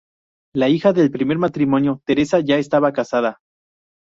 La hija del primer matrimonio, Teresa, ya estaba casada.